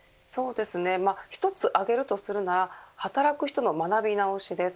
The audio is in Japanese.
１つ挙げるとするなら働く人の学び直しです。